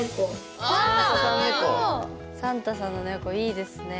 サンタさんの猫いいですね。